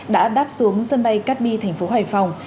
đã đáp xuống sân bay cát bi thành phố hải phòng